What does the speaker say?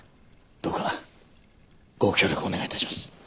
どうかご協力をお願い致します。